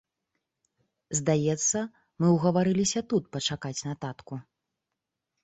Здаецца, мы ўгаварыліся тут пачакаць на татку?